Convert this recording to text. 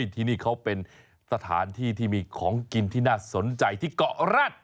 ที่นี่เขาเป็นสถานที่ที่มีของกินที่น่าสนใจที่เกาะแร็ด